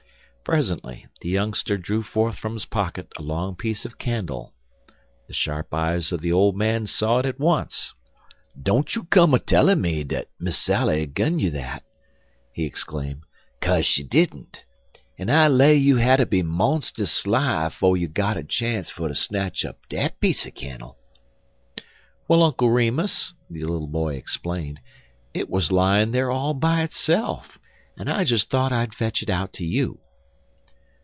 Presently the youngster drew forth from his pocket a long piece of candle. The sharp eyes of the old man saw it at once. "Don't you come a tellin' me dat Miss Sally gun you dat," he exclaimed, "kaze she didn't. En I lay you hatter be monstus sly 'fo' you gotter chance fer ter snatch up dat piece er cannle." "Well, Uncle Remus," the little boy explained, "it was lying there all by itself, and I just thought I'd fetch it out to you.